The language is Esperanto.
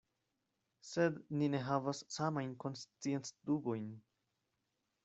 Sed ni ne havas samajn konsciencdubojn.